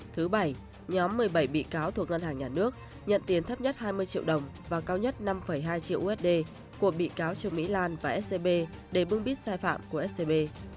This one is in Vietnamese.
thứ bảy nhóm một mươi bảy bị cáo thuộc ngân hàng nhà nước nhận tiền thấp nhất hai mươi triệu đồng và cao nhất năm hai triệu usd của bị cáo trương mỹ lan và scb để bưng bít sai phạm của scb